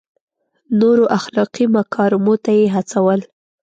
نورو اخلاقي مکارمو ته یې هڅول.